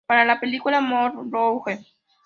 Para la película "Moulin Rouge!